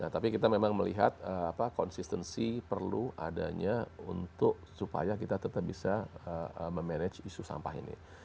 tapi kita memang melihat konsistensi perlu adanya untuk supaya kita tetap bisa memanage isu sampah ini